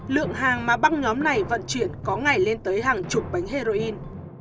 lượng hàng mà băng nhóm này vận chuyển có ngày lên tới hàng chục bánh heroin